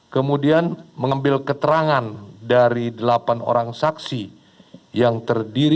kemudian mengambil keterangan dari delapan orang saksi yang terdiri